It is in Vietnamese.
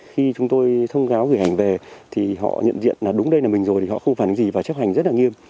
khi chúng tôi thông cáo gửi hành về thì họ nhận diện là đúng đây là mình rồi thì họ không phải là gì và chấp hành rất là nghiêm